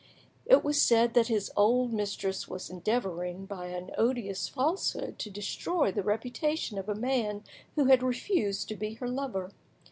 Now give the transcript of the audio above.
It was said that his old mistress was endeavouring by an odious falsehood to destroy the reputation of a man who had refused to be her lover.